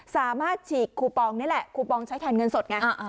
ฉีกคูปองนี่แหละคูปองใช้แทนเงินสดไง